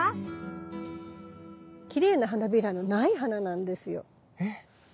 きれいな花びらの無い花なんですよ。え？